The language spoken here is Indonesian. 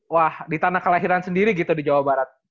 wah di tanah kelahiran sendiri gitu di jawa barat